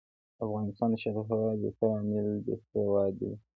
د افغانستان د شاته پاتې والي یو ستر عامل بې سوادي دی.